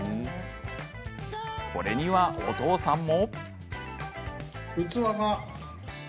これにはお父さんも。